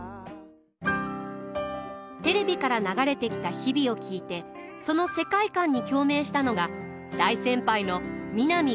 テレビから流れてきた「日々」を聴いてその世界観に共鳴したのが大先輩の南